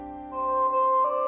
ma aku mau pergi